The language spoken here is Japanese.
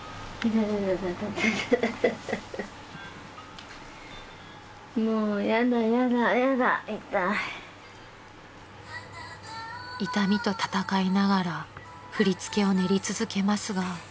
［痛みと闘いながら振り付けを練り続けますが］